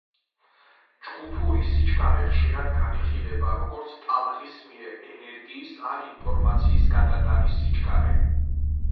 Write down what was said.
ჯგუფური სიჩქარე ხშირად განიხილება როგორც ტალღის მიერ ენერგიის ან ინფორმაციის გადატანის სიჩქარე.